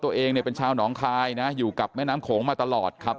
ตัวเองเป็นชาวหนองไคอยู่กับแม่น้ำโขงมาตลอดครับ